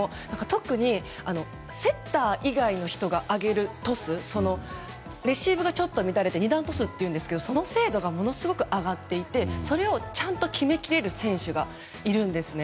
特にセッター以外の人が上げるトスレシーブがちょっと乱れた時の２段トスというんですけどその精度がすごく上がっていてそれをちゃんと決めきれる選手がいるんですね。